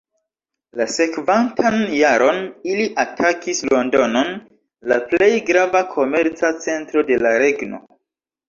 La sekvantan jaron ili atakis Londonon, la plej grava komerca centro de la regno.